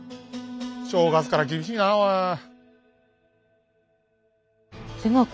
正月から厳しいなあおい。